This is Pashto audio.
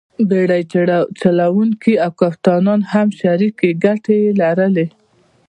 بېړۍ چلوونکي او کپټانان هم شریکې ګټې یې لرلې.